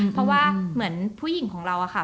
เพราะว่าเหมือนผู้หญิงของเราอะค่ะ